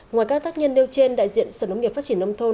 ngoài các tác nhân nêu trên đại diện sở nông nghiệp phát triển nông thôn